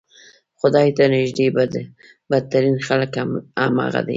خدای ته نږدې بدترین خلک همغه دي.